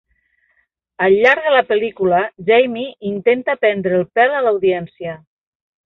Al llarg de la pel·lícula, Jamie intenta prendre el pel a l'audiència.